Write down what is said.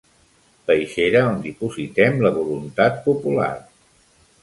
Peixera on dipositem la voluntat popular.